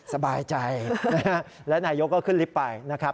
สบายใจแล้วนายกก็ขึ้นลิฟต์ไปนะครับ